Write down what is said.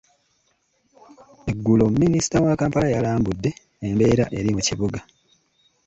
Eggulo Minisita wa Kampala yalambudde embeera eri mu kibuga.